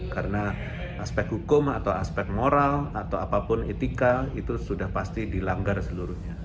karena aspek hukum atau aspek moral atau apapun etika itu sudah pasti dilanggar seluruhnya